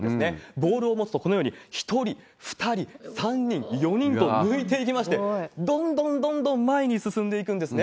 ボールを持つと、このように、１人、２人、３人、４人と抜いていきまして、どんどんどんどん前に進んでいくんですね。